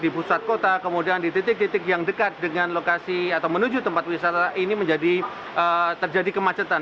di pusat kota kemudian di titik titik yang dekat dengan lokasi atau menuju tempat wisata ini menjadi terjadi kemacetan